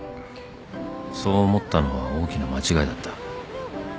［そう思ったのは大きな間違いだった］